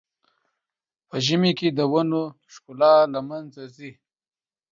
په ژمي کې د ونو ښکلا له منځه ځي.